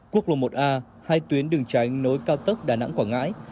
quốc lộ một a hai tuyến đường tránh nối cao tốc đà nẵng quảng ngãi